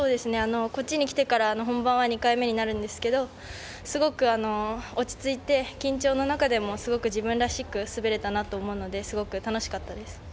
こっちに来てから本番は２回目になるんですがすごく落ち着いて緊張の中でもすごく自分らしく滑れたなと思うのですごく楽しかったです。